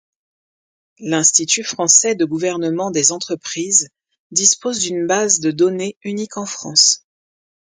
L'Institut français de gouvernement des entreprises dispose d'une base de données unique en France.